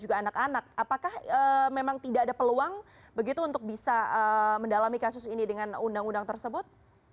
apakah memang tidak ada peluang begitu untuk bisa mendalami kasus ini dengan undang undang tersebut